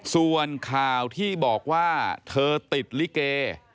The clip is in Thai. ส่วนข่าวที่บอกว่าเธอติดลิเก